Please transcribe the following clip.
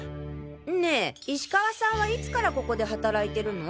ねえ石川さんはいつからここで働いてるの？